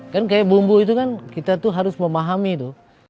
kan kayak bumbu itu kan kita tuh harus memahami itu